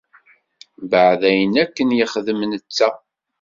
Mbeɛd ayen akken yexdem netta.